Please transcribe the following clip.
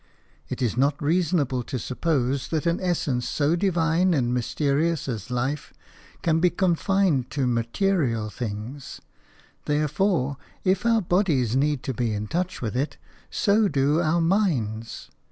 It is not reasonable to suppose that an essence so divine and mysterious as life can be confined to material things; therefore, if our bodies need to be in touch with it so do our minds.